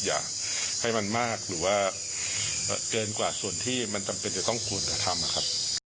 อยากให้มันมากหรือว่าเกินกว่าส่วนที่มันจำเป็นจะต้องควรจะทำนะครับ